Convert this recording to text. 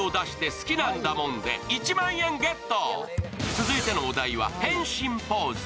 続いてのお題は「変身ポーズ」。